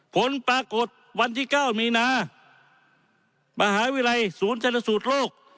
ผลปรากฏวันที่๙มีนามหาวิทยาลัยศูนย์ชนสูตรโรค